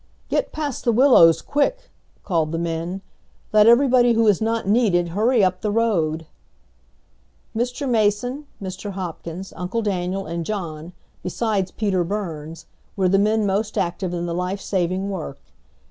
"Get past the willows quick!" called the men. "Let everybody who is not needed hurry up the road!" Mr. Mason, Mr. Hopkins, Uncle Daniel, and John, besides Peter Burns, were the men most active in the life saving work.